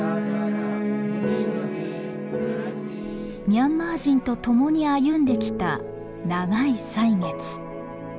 ミャンマー人と共に歩んできた長い歳月。